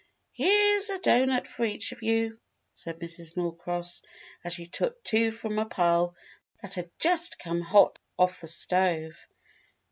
"Here's a doughnut for each of you," said Mrs. Norcross, as she took two from a pile that had just come hot off the stove.